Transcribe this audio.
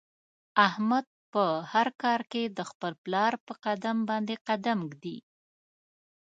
احمد په هر کار کې د خپل پلار په قدم باندې قدم ږدي.